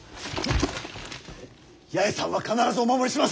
八重さんは必ずお守りします。